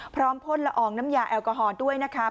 พร้อมพ่นละอองน้ำยาแอลกอฮอล์ด้วยนะครับ